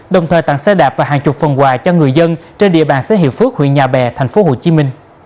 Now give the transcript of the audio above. đồng thời tặng xe đạp và hàng chục phần quà cho người dân trên địa bàn xã hiệp phước huyện nhà bè tp hcm